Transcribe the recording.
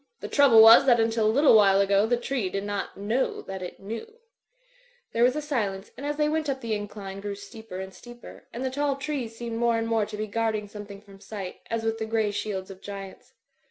"The trouble was that until a little while ago the tree did not know that it knew/' There was a silence; and as they went up the in cline grew steeper and steeper, and the tall trees seemed more and more to be guarding something from sight, as with the grey shields of giants.